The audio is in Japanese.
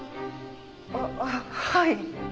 あっはい。